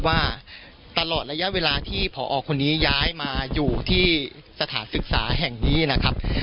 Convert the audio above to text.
ว่าตลอดระยะเวลาที่ผอคนนี้ย้ายมาอยู่ที่สถานศึกษาแห่งนี้นะครับ